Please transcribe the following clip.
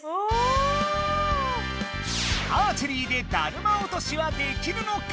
アーチェリーでだるま落としはできるのか？